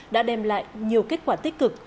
đã đem lại nhiều kết quả tích cực